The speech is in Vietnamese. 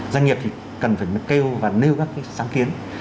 doanh nghiệp thì cần phải kêu và nêu các cái sáng kiến